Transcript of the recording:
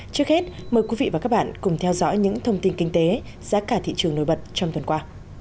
trước hết mời quý vị và các bạn cùng theo dõi những thông tin kinh tế giá cả thị trường nổi bật trong tuần qua